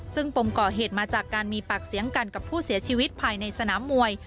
ซึ่งปมก่อเหตุมาจากการมีปากเสียงกันกับผู้เสียชีวิตภายในสนามมวย